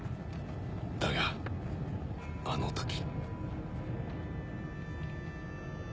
だがあの時。